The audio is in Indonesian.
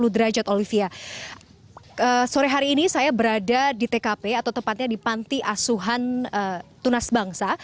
sore hari ini saya berada di tkp atau tepatnya di panti asuhan tunas bangsa